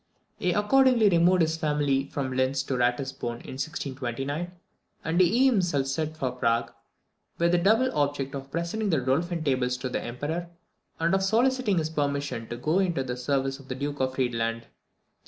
He accordingly removed his family from Linz to Ratisbon in 1629, and he himself set out for Prague, with the double object of presenting the Rudolphine Tables to the Emperor, and of soliciting his permission to go into the service of the Duke of Friedland.